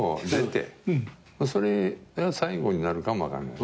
それが最後になるかもわからない。